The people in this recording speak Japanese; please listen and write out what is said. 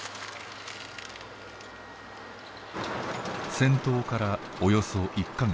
戦闘からおよそ１か月。